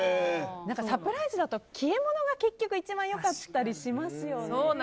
サプライズだと消えものが一番良かったりしますよね。